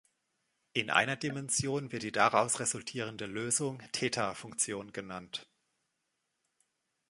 In einer Dimension wird die daraus resultierende Lösung Theta-Funktion genannt.